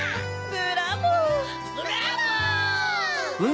ブラボー！